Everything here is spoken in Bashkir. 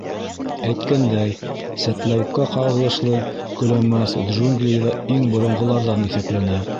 Әйткәндәй, сәтләүеккә ҡағылышлы көләмәс джунглиҙа иң боронғоларҙан иҫәпләнә.